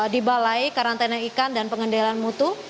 di balai karantina ikan dan pengendalian mutu